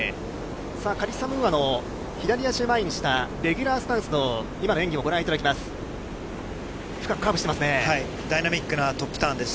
カリッサ・ムーアの左足を前にしたレギュラースタンスの演技をご覧いただきます。